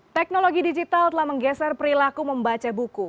teknologi digital telah menggeser perilaku membaca buku